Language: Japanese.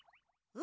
う？